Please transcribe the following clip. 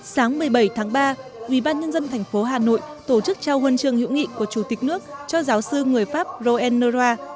sáng một mươi bảy tháng ba ubnd tp hà nội tổ chức trao huân chương hữu nghị của chủ tịch nước cho giáo sư người pháp roel noura